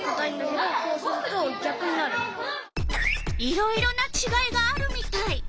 いろいろなちがいがあるみたい。